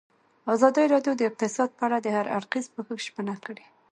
ازادي راډیو د اقتصاد په اړه د هر اړخیز پوښښ ژمنه کړې.